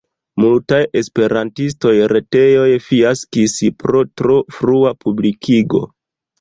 Multaj esperantaj retejoj fiaskis pro tro frua publikigo.